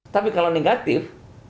tapi kalau negatif